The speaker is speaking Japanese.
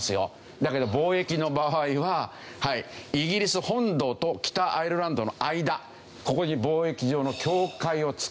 だけど貿易の場合はイギリス本土と北アイルランドの間ここに貿易上の境界を作ったというわけです。